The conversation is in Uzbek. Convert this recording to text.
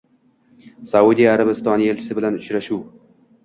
Saudiya Arabistoni elchisi bilan uchrashuvng